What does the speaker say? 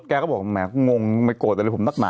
แกก็บอกแหมงไม่โกรธอะไรผมนักหนา